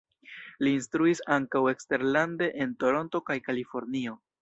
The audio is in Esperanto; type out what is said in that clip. Li instruis ankaŭ eksterlande en Toronto kaj Kalifornio.